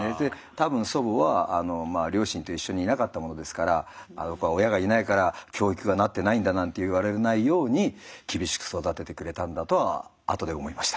多分祖母は両親と一緒にいなかったものですからあの子は親がいないから教育がなってないんだなんて言われないように厳しく育ててくれたんだとは後で思いました。